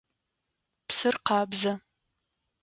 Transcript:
Псыр къабзэ.